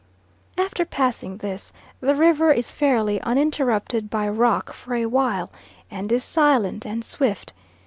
After passing this, the river is fairly uninterrupted by rock for a while, and is silent and swift.